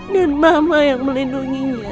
dan mama yang melindunginya